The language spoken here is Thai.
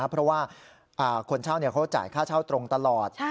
เพราะว่าคนเช่าเขาจ่ายค่าเช่าตรงตลอด